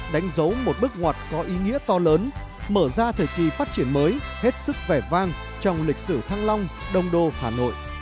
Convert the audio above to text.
đánh dấu một bước ngoặt có ý nghĩa to lớn mở ra thời kỳ phát triển mới hết sức vẻ vang trong lịch sử thăng long đông đô hà nội